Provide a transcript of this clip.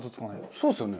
そうですよね。